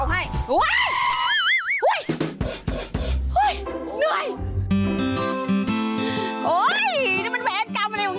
อะไรอยากเป็นเอก